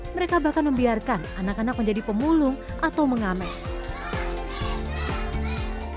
mereka bahkan membiarkan anak anak menjadi pemulung atau mengameh